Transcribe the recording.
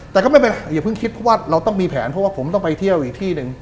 แต่ก็ไม่เป็นอย่าเพิ่งคิดเพราะว่าเราต้องมีแผนเพราะว่าผมต้องไปเที่ยวอีกที่หนึ่ง